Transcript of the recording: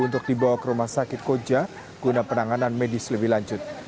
untuk dibawa ke rumah sakit koja guna penanganan medis lebih lanjut